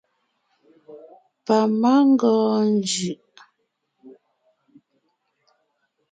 Pamangɔɔn njʉʼ.